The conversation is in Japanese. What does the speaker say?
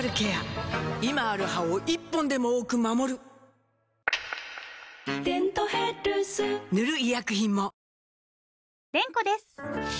今ある歯を１本でも多く守る「デントヘルス」塗る医薬品も